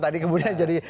tadi kemudian jadi